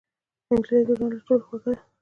نجلۍ د ژوند له ټولو خوږه ده.